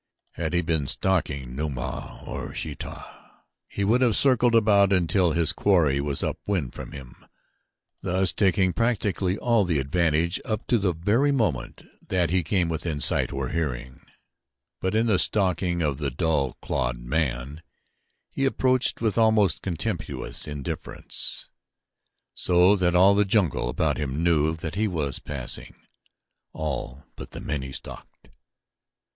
Had he been stalking Numa or Sheeta he would have circled about until his quarry was upwind from him, thus taking practically all the advantage up to the very moment that he came within sight or hearing; but in the stalking of the dull clod, man, he approached with almost contemptuous indifference, so that all the jungle about him knew that he was passing all but the men he stalked.